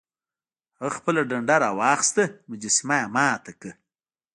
هغه خپله ډنډه راواخیسته او مجسمه یې ماته کړه.